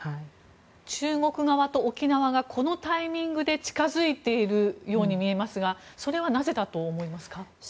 中国側と沖縄がこのタイミングで近付いているように見えますがそれはなぜだと思いますか。